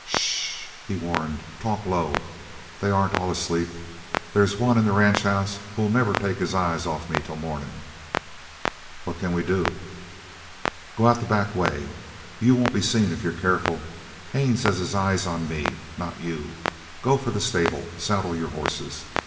"S sh!" he warned. "Talk low! They aren't all asleep. There's one in the ranch house who'll never take his eyes off me till morning." "What can we do?" "Go out the back way. You won't be seen if you're careful. Haines has his eyes on me, not you. Go for the stable. Saddle your horses.